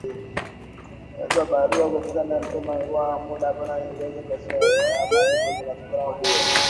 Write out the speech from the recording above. Walitoa barua kwa upinzani wakisema wanahitaji muda kujiandaa ili kuhakikisha kunakuwepo Amani kwenye mkutano huo.